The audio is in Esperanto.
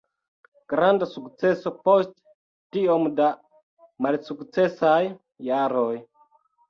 Granda sukceso post tiom da malsukcesaj jaroj.